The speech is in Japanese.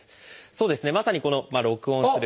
そうですねまさにこの「録音する」。